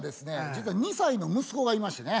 実は２歳の息子がいましてね。